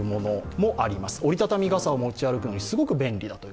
折りたたみ傘を持ち歩くのにすごく便利だと。